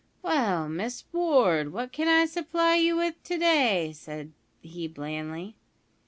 "Well, Miss Ward, what can I supply you with to day?" said he blandly.